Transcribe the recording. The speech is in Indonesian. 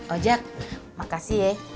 ojak makasih ya